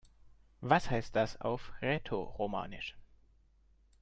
Was heißt das auf Rätoromanisch?